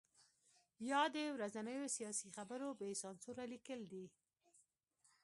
یا د ورځنیو سیاسي خبرو بې سانسوره لیکل دي.